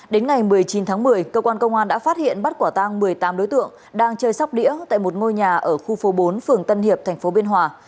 đến ngày một mươi chín tháng một mươi cơ quan công an đã phát hiện bắt quả tang một mươi tám đối tượng đang chơi sóc đĩa tại một ngôi nhà ở khu phố bốn phường tân hiệp tp biên hòa